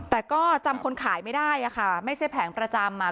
แต่ก็จำคนขายไม่ได้ค่ะไม่ใช่แผงประจำอ่ะ